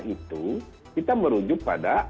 itu kita merujuk pada